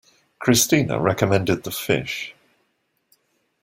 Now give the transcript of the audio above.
Christina recommended the fish.